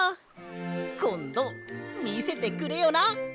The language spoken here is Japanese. こんどみせてくれよな！